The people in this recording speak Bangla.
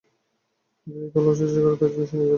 যদি কেউ কলহ সৃষ্টি করে, তার জন্য সে নিজেই দায়ী।